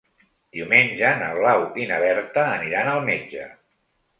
Diumenge na Blau i na Berta aniran al metge.